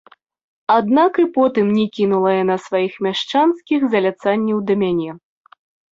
Аднак і потым не кінула яна сваіх мяшчанскіх заляцанняў да мяне.